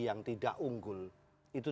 yang tidak unggul itu